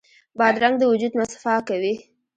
بادرنګ د وجود مصفا کوي.